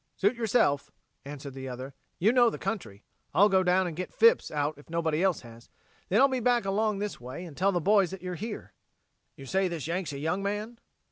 "Suit yourself," answered the other; "you know the country. I'll go down an' get Phipps out if nobody else has. Then I'll be back along up this way and tell the boys that you're here." "You say this Yank's a young man?"